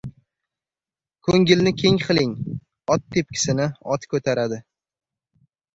— Ko‘ngilni keng qiling, ot tepkisini ot ko‘taradi.